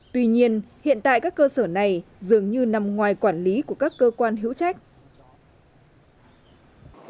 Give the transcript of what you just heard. tuy nhiên hiện tại các cơ sở này dường như nằm ngoài quản lý của các cơ quan hữu trách